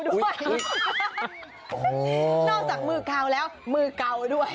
นอกจากมือเก่าแล้วมือเก่าด้วย